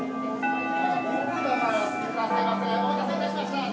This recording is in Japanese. お待たせいたしました。